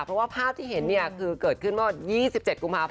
เพราะว่าภาพที่เห็นคือเกิดขึ้นเมื่อ๒๗กุมภาพ